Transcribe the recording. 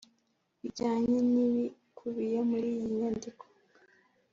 bijyanye n'ibikubiye muri iyi nyandiko